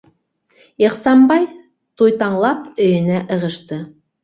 - Ихсанбай, туйтаңлап, өйөнә ығышты.